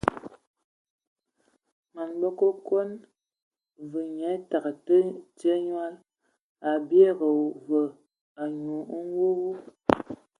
Man Bəkon va nye təgə tye nyɔl, a biege va enyum nwuwub.